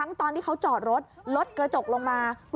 ตอนที่เขาจอดรถรถกระจกลงมา